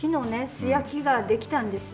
素焼きができたんですよ。